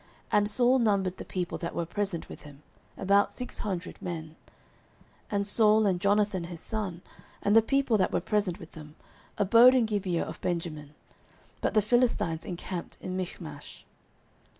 And Saul numbered the people that were present with him, about six hundred men. 09:013:016 And Saul, and Jonathan his son, and the people that were present with them, abode in Gibeah of Benjamin: but the Philistines encamped in Michmash.